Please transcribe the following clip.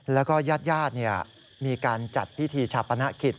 แล้วก็ญาติมีการจัดพิธีชาปนกิจ